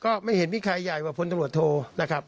ก็ไม่เห็นมีใครใหญ่กว่าพลตำรวจโทนะครับ